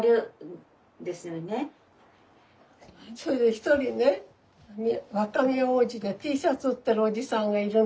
一人ね若宮大路でＴシャツ売ってるおじさんがいるの。